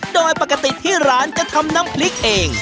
โดยปกติที่ร้านจะทำน้ำพริกเอง